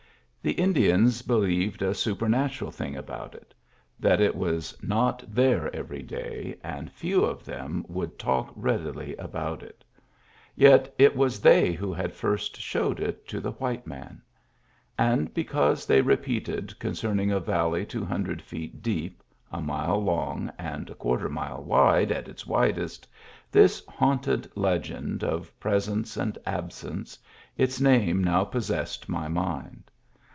The Indians believed a super natural thing about it — that it was not there Digitized by VjOOQIC i6o MEMBERS OF THE FAMILY every day, and few of them would talk readily about it ; yet it was they who had first showed it to the white man. And because they repeated con cerning a valley two hundred feet deep, a mile long, and a quarter mile wide at its widest, this haunted legend of presence and absence, its name now possessed my mind.